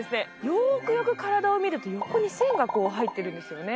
よくよく体を見ると横に線がこう入ってるんですよね